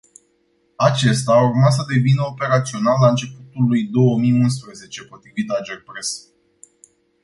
Acesta ar urma să devină operațional la începutul lui două mii unsprezece, potrivit Agerpres.